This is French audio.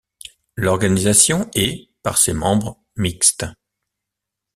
L'organisation est, par ses membres, mixte.